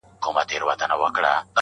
هلک مړ سو د دهقان په کور کي غم سو٫